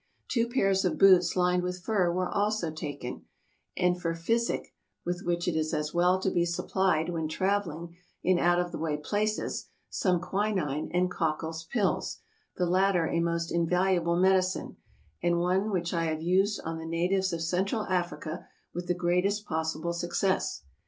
Two pairs of boots lined with fur were also taken ; and for physic — with which it is as well to be supplied when traveling in out of the way places — some quinine and Cockle's pills, the latter a most invaluable medicine, and one which I have used on the na tives of Central Africa with the greatest possible success.